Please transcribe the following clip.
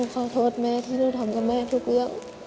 ขอโทษแม่ที่ลูกทำกับแม่ทุกเรื่อง